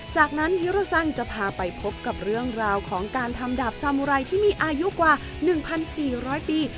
จากนั้นฮิโรซันจะพาไปพบกับเรื่องราวของการทำดาบสามุไรที่มีอายุกว่า๑๔๐๐ปี